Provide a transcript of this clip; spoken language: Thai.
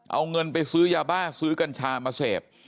เอาเงินไปซื้อยาบ้าซื้อกัญชามาเสพ